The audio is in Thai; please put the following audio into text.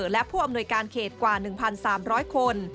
และผู้อำนวยการเขตกว่า๑๓๐๐คน